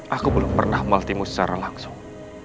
aku belum pernah multimu secara langsung